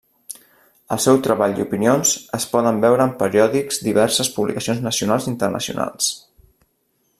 El seu treball i opinions es poden veure en periòdics diverses publicacions nacionals internacionals.